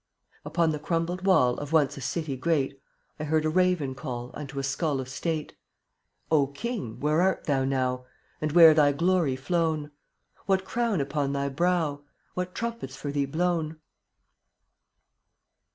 Upon the crumbled wall Of once a city great, 1 heard a raven call Unto a skull of state: O king! where art thou now, And where thy glory flown? What crown upon thy brow? What trumpets for thee blown?